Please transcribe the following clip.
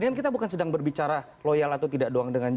ini bukan sedang berbicara loyal atau tidak